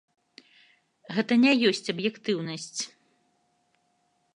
Гэта не ёсць аб'ектыўнасць.